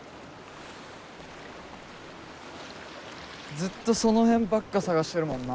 ずっとその辺ばっか探してるもんな。